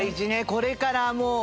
これからもうねえ？